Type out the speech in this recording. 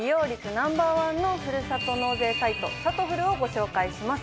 ナンバーワンのふるさと納税サイト「さとふる」をご紹介します。